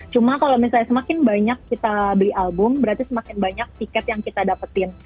cuma kalau misalnya semakin banyak kita beli album berarti semakin banyak tiket yang kita dapetin